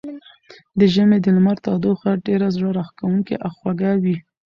د ژمي د لمر تودوخه ډېره زړه راښکونکې او خوږه وي.